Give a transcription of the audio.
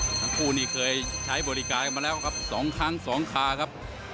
ทั้งคู่นี่เคยใช้บริการมาแล้วครับสองคลางสองคลาครับ